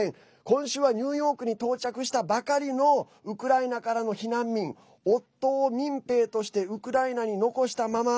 今週は、ニューヨークに到着したばかりのウクライナからの避難民夫を民兵としてウクライナに残したまま